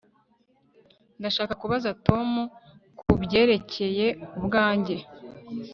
Ndashaka kubaza Tom kubyerekeye ubwanjye